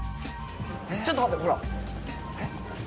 ちょっと待ってほら。